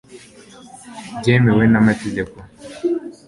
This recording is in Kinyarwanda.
byemewe n'amategeko